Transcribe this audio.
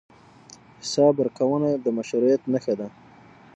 حساب ورکونه د مشروعیت نښه ده.